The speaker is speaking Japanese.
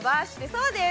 そうです。